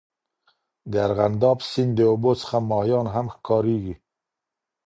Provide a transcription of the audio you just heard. د ارغنداب سیند د اوبو څخه ماهیان هم ښکارېږي.